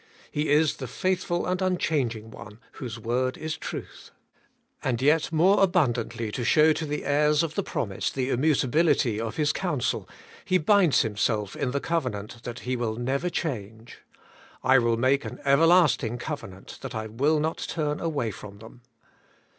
He is the Faithful and Unchanging One, whose word is truth ; and yet more abundantly to show to the heirs of the promise the immutability of His counsel, He binds Himself in the covenant that He will never change: *I will make an everlasting covenant, that I will not turn away from them.'